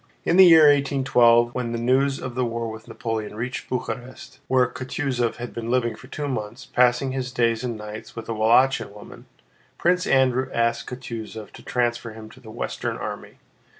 In the year 1812, when news of the war with Napoleon reached Bucharest—where Kutúzov had been living for two months, passing his days and nights with a Wallachian woman—Prince Andrew asked Kutúzov to transfer him to the Western Army.